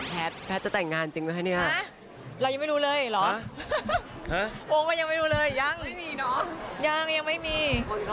แพทย์แพทย์จะแต่งงานจริงไหมคะเนี่ย